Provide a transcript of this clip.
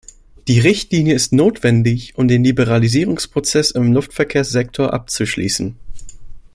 Die Richtlinie ist notwendig, um den Liberalisierungsprozess im Luftverkehrssektor abzuschließen.